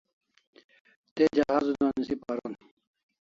Te jahaz una nisi paron